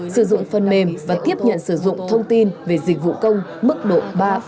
sử dụng phần mềm và tiếp nhận sử dụng thông tin về dịch vụ công mức độ ba bốn